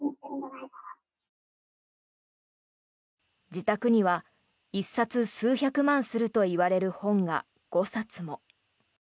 自宅には１冊数百万するといわれる本が５冊も。